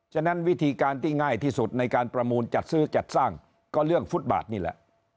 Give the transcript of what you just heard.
ฉะนั้นวิธีการที่ง่ายที่สุดในการประมูลจัดซื้อจัดสร้างก็เรื่องฟุตบาทนี่แหละ